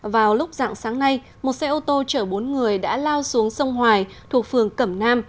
vào lúc dạng sáng nay một xe ô tô chở bốn người đã lao xuống sông hoài thuộc phường cẩm nam